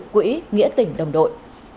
quỹ nghĩa tỉnh đồng đội